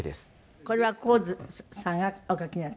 これは神津さんがお描きになった？